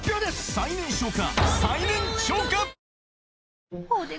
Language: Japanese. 最年長か？